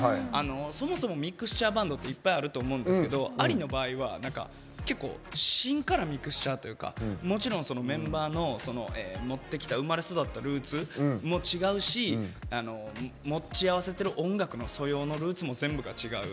そもそもミクスチャーバンドっていっぱいあると思うんですけどＡＬＩの場合は何か結構芯からミクスチャーというかもちろんメンバーの生まれ育ったルーツも違うし持ち合わせてる音楽の素養のルーツも全部が違う。